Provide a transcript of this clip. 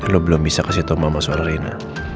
lo belum bisa kasih tau mama soal rina